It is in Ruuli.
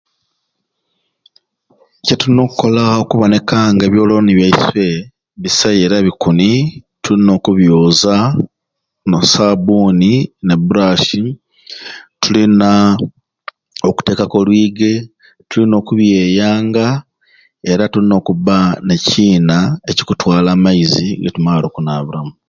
Kitulina okukola okubona nga ebyoloni byeswei bisai era bikuni tulina okubyoza n'osabuni ne brass tulina okutekaku olwige tulina okubyeyanga era tulina okuba ne kyina ekikutwala amaizi getumare okunabiramu